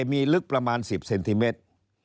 มีลึกประมาณ๑๐เซนติเมตร